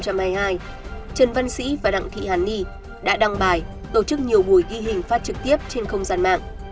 trần văn sĩ và đặng thị hàn ni đã đăng bài tổ chức nhiều buổi ghi hình phát trực tiếp trên không gian mạng